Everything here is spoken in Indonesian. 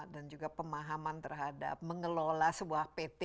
dan juga pemahaman terhadap mengelola sebuah pt